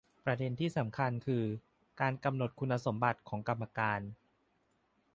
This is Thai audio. ประเด็นที่สำคัญคือ การกำหนดคุณสมบัติของกรรมการ